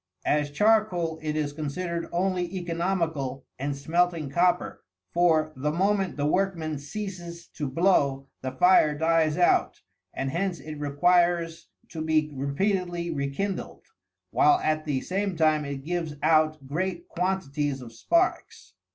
As charcoal, it is considered only economical in smelting copper ; for the moment the workman ceases to blow, the fire dies out, and hence it requires to be repeatedly rekindled ; while at the same time it gives out great quantities of sparks.